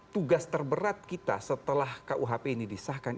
tugas terberat kita setelah kuhp ini disahkan